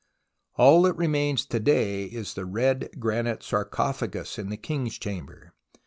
All that remains to day is the red granite sarco phagus in the King's Chamber.